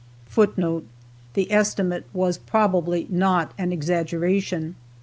[Footnote 1: The estimate was probably not an exaggeration.